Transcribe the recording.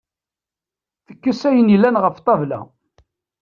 Tekkes ayen yellan ɣef ṭṭabla.